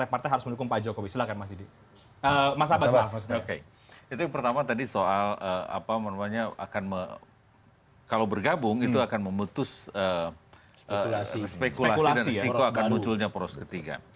itu yang pertama tadi soal kalau bergabung itu akan memutus spekulasi dan resiko akan munculnya poros ketiga